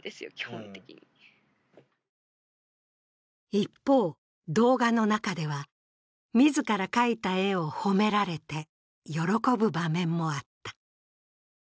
一方、動画の中では自ら描いた絵を褒められて、喜ぶ場面もあった。